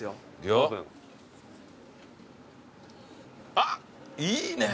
あっいいね！